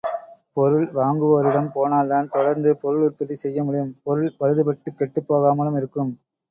பொருள் வாங்குவோரிடம் போனால்தான் தொடர்ந்து பொருள் உற்பத்தி செய்யமுடியும், பொருள் பழுதுபட்டுக் கெட்டுப் போகாமலும் இருக்கும்.